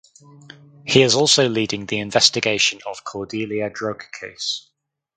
He is also leading the investigation of Cordelia drug case.